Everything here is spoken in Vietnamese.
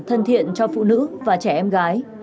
thân thiện cho phụ nữ và trẻ em gái